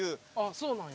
そうなんや。